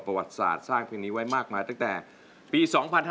ประวัติศาสตร์สร้างเพลงนี้ไว้มากมายตั้งแต่ปี๒๕๕๙